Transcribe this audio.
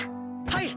はい！